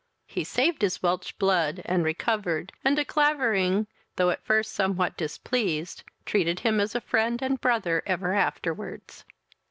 He saved his Welch blood, and recovered, and De Clavering, though at first somewhat displeased, treated him as a friend and brother ever afterwards.